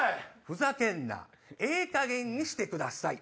「ふざけんなええかげんにしてください」。